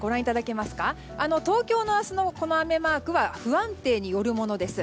東京の明日の雨マークは不安定によるものです。